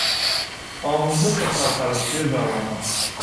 آموزش و سرپرستی جوانان